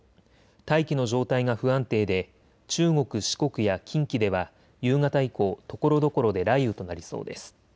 大気の状態が不安定で中国、四国や近畿では夕方以降ところどころで雷雨となりそうです。